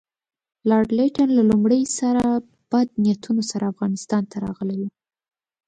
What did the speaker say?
لارډ لیټن له لومړي سره بد نیتونو سره افغانستان ته راغلی وو.